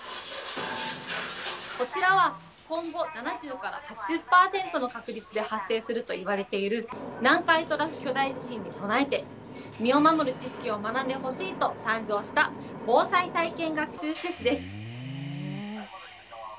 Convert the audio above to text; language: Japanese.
こちらは、今後７０から８０％の確率で発生するといわれている、南海トラフ巨大地震に備えて、身を守る知識を学んでほしいと誕生した防災体験学習施設です。